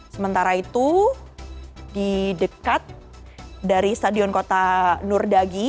sementara itu di dekat dari stadion kota nurdagi